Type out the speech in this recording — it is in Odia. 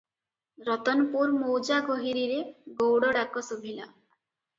ରତନପୁର ମୌଜା ଗୋହିରୀରେ ଗଉଡ଼ ଡାକ ଶୁଭିଲା ।